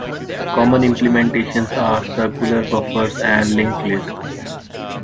Common implementations are circular buffers and linked lists.